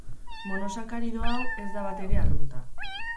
Monosakarido hau ez da batere arrunta.